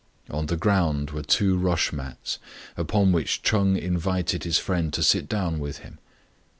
On the ground were two rush mats, upon which Ch'eng invited his friend to sit down with him.